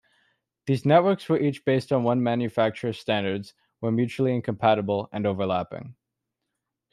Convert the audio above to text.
These networks were each based on one manufacturer's standards, were mutually incompatible, and overlapping.